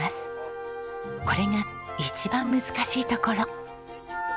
これが一番難しいところ。